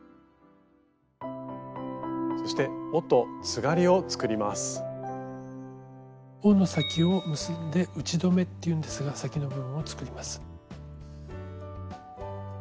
そして緒の先を結んで「打留」っていうんですが先の部分を作ります。